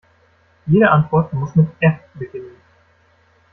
Jede Antwort muss mit F beginnen.